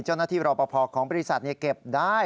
เจ้าหน้าที่รอปภของบริษัทเก็บได้